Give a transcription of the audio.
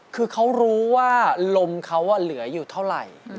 คือเขารู้ว่าลมเขาเหลืออยู่เท่าไหร่